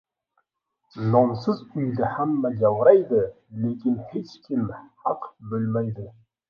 Nonsiz uyda hamma javraydi, lekin hech kim haq boʻlmaydi.